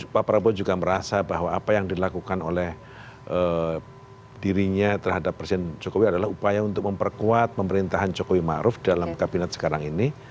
pak prabowo juga merasa bahwa apa yang dilakukan oleh dirinya terhadap presiden jokowi adalah upaya untuk memperkuat pemerintahan jokowi ⁇ maruf ⁇ dalam kabinet sekarang ini